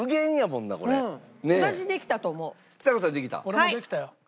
俺もできたよ。